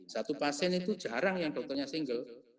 satu pasien itu jarang yang dokternya single